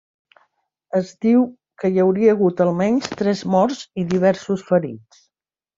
Es diu que hi hauria hagut almenys tres morts i diversos ferits.